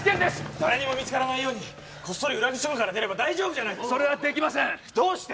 誰にも見つからないようにコッソリ裏口とかから出れば大丈夫それはできませんどうして？